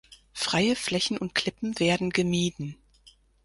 Freie Flächen und Klippen werden gemieden.